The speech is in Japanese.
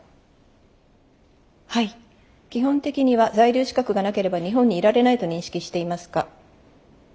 基本的には在留資格がなければ日本にいられないと認識していますか？